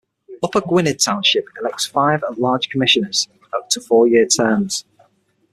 Upper Gwynedd Township elects five at-large commissioners to four-year terms.